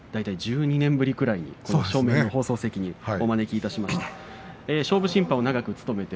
１２年ぶりぐらいにこの正面の放送席にお招きしました。